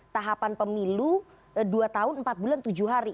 tahapan pemilu dua tahun empat bulan tujuh hari